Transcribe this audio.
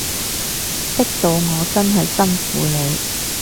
識到我真係辛苦你